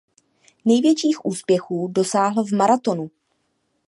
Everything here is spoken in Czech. Největších úspěchů dosáhl v maratonu.